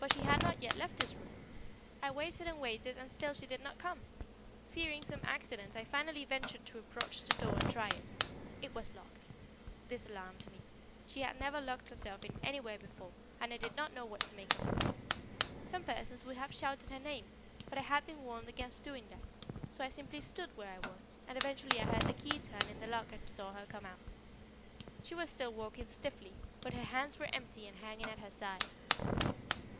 But she had not yet left this room. I waited and waited and still she did not come. Fearing some accident, I finally ventured to approach the door and try it. It was locked. This alarmed me. She had never locked herself in anywhere before and I did not know what to make of it. Some persons would have shouted her name, but I had been warned against doing that, so I simply stood where I was, and eventually I heard the key turn in the lock and saw her come out. She was still walking stiffly, but her hands were empty and hanging at her side."